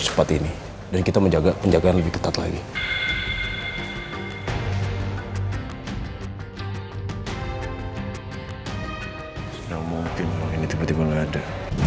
seperti ini dan kita menjaga penjagaan lebih ketat lagi yang mungkin ini tiba tiba ada